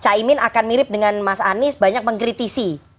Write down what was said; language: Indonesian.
caimin akan mirip dengan mas anies banyak mengkritisi